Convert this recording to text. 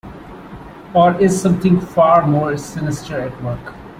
Or is something far more sinister at work?